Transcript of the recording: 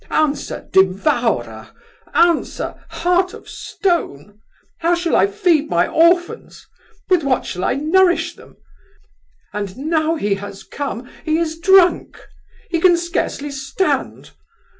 Answer, devourer! answer, heart of stone! How shall I feed my orphans? with what shall I nourish them? And now he has come, he is drunk! He can scarcely stand.